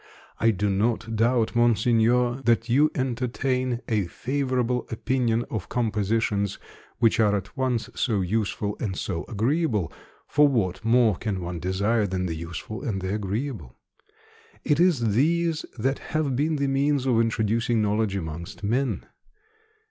I do not doubt, Monseigneur, that you entertain a favourable opinion of compositions which are at once so useful and so agreeable; for what more can one desire than the useful and the agreeable? It is these that have been the means of introducing knowledge amongst men.